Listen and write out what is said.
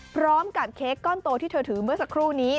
เค้กก้อนโตที่เธอถือเมื่อสักครู่นี้